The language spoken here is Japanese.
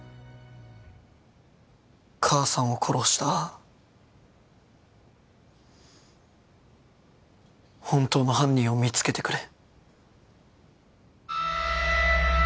母さんを殺した本当の犯人を見つけてくれ。